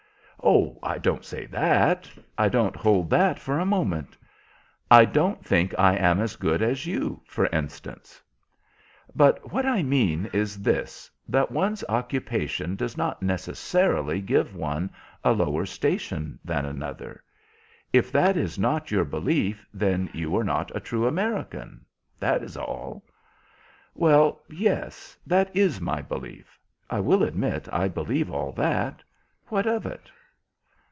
"Oh, I don't say that, I don't hold that for a moment. I don't think I am as good as you, for instance." "But what I mean is this, that one's occupation does not necessarily give one a lower station than another. If that is not your belief then you are not a true American, that is all." "Well, yes, that is my belief. I will admit I believe all that. What of it?"